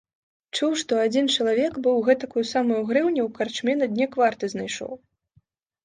Чуў, што адзін чалавек быў гэтакую самую грыўню ў карчме на дне кварты знайшоў.